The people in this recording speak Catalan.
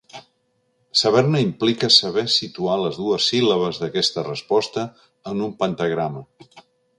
Saber-ne implica saber situar les dues síl·labes d'aquesta resposta en un pentagrama.